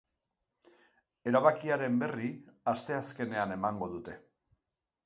Erabakiaren berri asteazkenean emango dute.